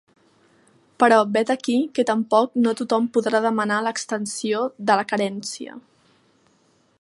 Però vet aquí que tampoc no tothom podrà demanar l’extensió de la carència.